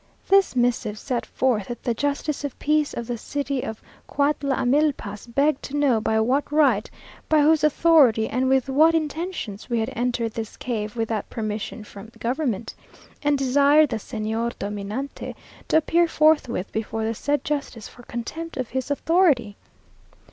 This missive set forth that the justice of peace of the city of Cuautla Amilpas, begged to know by what right, by whose authority, and with what intentions we had entered this cave, without permission from government; and desired the "Señor dominante" to appear forthwith before the said justice for contempt of his authority.